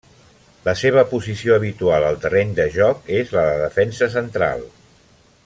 La seva posició habitual al terreny de joc és la de defensa central.